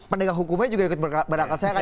pendekat hukumnya juga berakal sehat